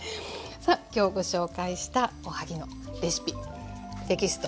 今日ご紹介したおはぎのレシピテキスト